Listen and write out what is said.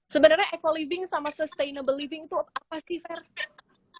sebenarnya eco living sama sustainable living itu apa sih fer